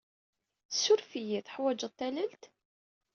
Ssuref-iyi. Teḥwajed tallalt?